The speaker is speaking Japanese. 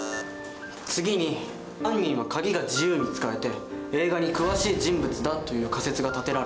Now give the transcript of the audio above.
次に犯人は鍵が自由に使えて映画に詳しい人物だという仮説が立てられた。